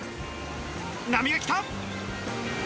波が来た。